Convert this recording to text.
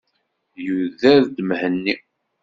Yuder-d Mhenni.